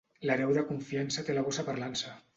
L'hereu de confiança té la bossa per l'ansa.